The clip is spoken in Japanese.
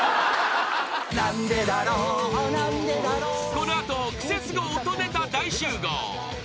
［この後クセスゴ音ネタ大集合］